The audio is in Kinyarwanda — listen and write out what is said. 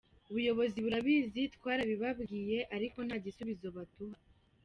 Ubuyobozi burabizi twarabibabwiye ariko nta gisubizo baduha.